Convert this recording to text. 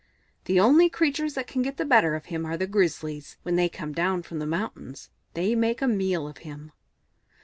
The only creatures that can get the better of him are the Grizzlies; when they come down from the mountains they make a meal of him."